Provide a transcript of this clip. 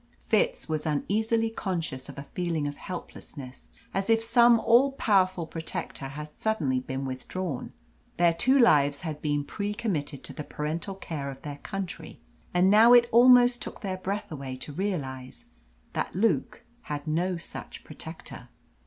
Fitz was uneasily conscious of a feeling of helplessness, as if some all powerful protector had suddenly been withdrawn. Their two lives had been pre committed to the parental care of their country, and now it almost took their breath away to realise that Luke had no such protector.